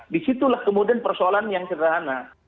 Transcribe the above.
disitulah kemudian persoalan yang sederhana